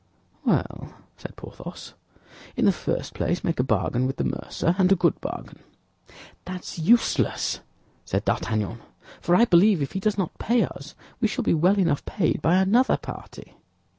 "Well," said Porthos, "in the first place make a bargain with the mercer, and a good bargain." "That's useless," said D'Artagnan; "for I believe if he does not pay us, we shall be well enough paid by another party."